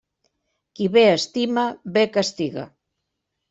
Qui bé estima, bé castiga.